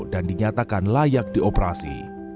dan dinyatakan layak di operasi